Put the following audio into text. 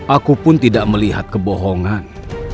aku pun tidak melihat kebohongan